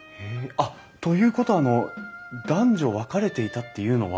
あっということはあの男女分かれていたっていうのは。